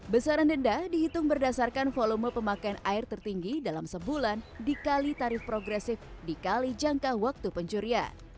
besaran denda dihitung berdasarkan volume pemakaian air tertinggi dalam sebulan dikali tarif progresif dikali jangka waktu pencurian